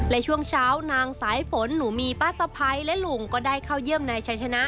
และช่วงเช้านางสายฝนหนูมีป้าสะพ้ายและลุงก็ได้เข้าเยี่ยมนายชัยชนะ